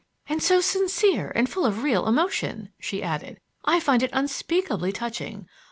"And so sincere and full of real emotion," she added. "I find it unspeakably touching.